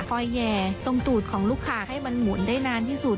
แห่ตรงตูดของลูกค้าให้มันหมุนได้นานที่สุด